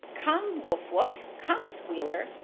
"Come, Wuff Wuff. Come, Squealer.